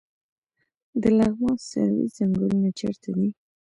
د لغمان سروې ځنګلونه چیرته دي؟